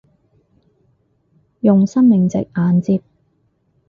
用生命值硬接